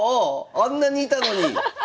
あんなにいたのに！